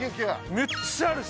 めっちゃあるし！